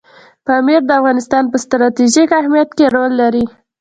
پامیر د افغانستان په ستراتیژیک اهمیت کې رول لري.